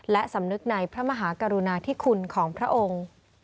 และสำนึกในพระมหากรุณาธิคุณของพระองค์